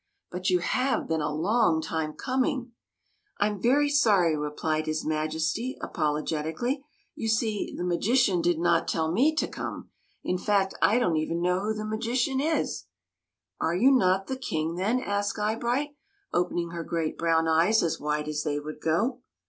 But you have been a long time coming !"" I 'm very sorry," replied his Majesty, apol ogetically ;'' you see, the magician did not tell me to come. In fact, I don't even know who the magician is." " Are you not the King, then ?" asked Eye bright, opening her great brown eyes as wide as they would go.